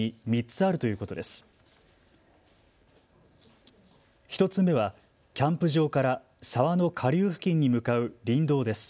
１つ目はキャンプ場から沢の下流付近に向かう林道です。